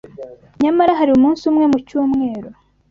Nyamara hari umunsi umwe mu cyumweru